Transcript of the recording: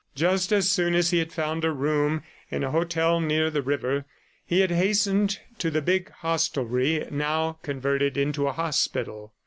Just as soon as he had found a room in a hotel near the river, he had hastened to the big hostelry, now converted into a hospital.